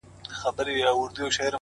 صداقت د باور بنسټ دی،